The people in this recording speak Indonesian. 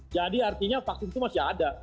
jadi artinya vaksin itu masih ada